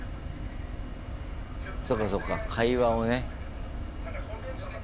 そうかそうか会話をね。